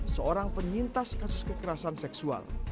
seorang penyintas kasus kekerasan seksual